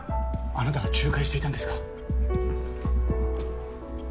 あなたが仲介していたんですか。